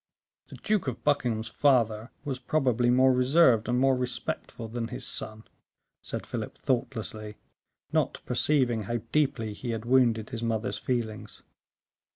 "The Duke of Buckingham's father was probably more reserved and more respectful than his son," said Philip, thoughtlessly, not perceiving how deeply he had wounded his mother's feelings.